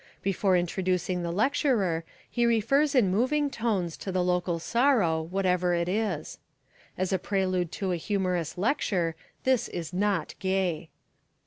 Before introducing the lecturer he refers in moving tones to the local sorrow, whatever it is. As a prelude to a humorous lecture this is not gay.